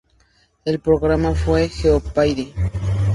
El programa fue "Jeopardy!